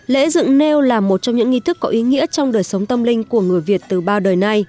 lễ dựng nêu là một trong những nghi thức có ý nghĩa trong đời sống tâm linh của người việt từ bao đời nay